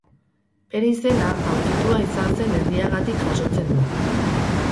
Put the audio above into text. Bere izena, aurkitua izan zen herriagatik jasotzen du.